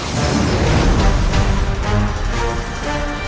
tidak ada bunda